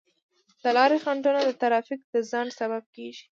د لارې خنډونه د ترافیک د ځنډ سبب کیږي.